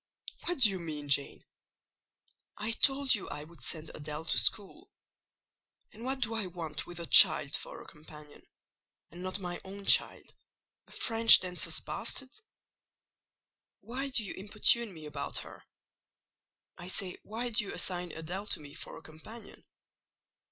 "What do you mean, Jane? I told you I would send Adèle to school; and what do I want with a child for a companion, and not my own child,—a French dancer's bastard? Why do you importune me about her! I say, why do you assign Adèle to me for a companion?"